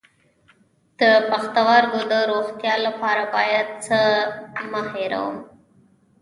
د پښتورګو د روغتیا لپاره باید څه مه هیروم؟